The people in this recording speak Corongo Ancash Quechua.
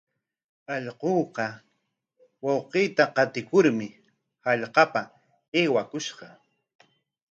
Allquuqa wawqiita qatikurmi hallqapa aywakushqa.